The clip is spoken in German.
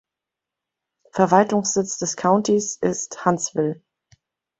Verwaltungssitz des Countys ist Huntsville.